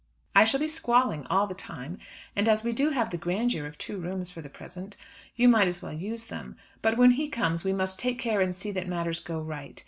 I shall be squalling all the time, and as we do have the grandeur of two rooms for the present, you might as well use them. But when he comes we must take care and see that matters go right.